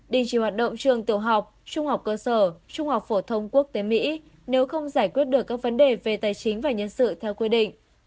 đình chỉ hoạt động trường tiểu học trung học cơ sở trung học phổ thông quốc tế mỹ nếu không giải quyết được các vấn đề về tài chính và nhân sự theo quy định